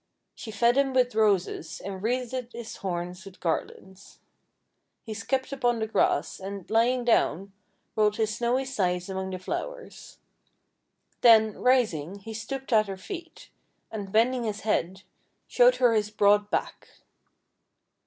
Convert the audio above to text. She fed him with Roses, and wreathed his horns with garlands. He skipped upon the grass, and, lying down, rolled his snowy sides among the flowers. Then, rising, he stooped at her feet, and, bending his head, showed her his broad back.